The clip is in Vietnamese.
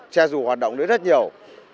xe dù hoạt động nữa rất nhiều